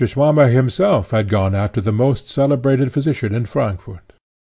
Swammer himself had gone after the most celebrated physician in Frankfort.